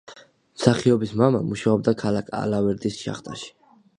მსახიობის მამა მუშაობდა ქალაქ ალავერდის შახტაში.